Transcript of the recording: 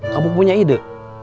kamu punya ide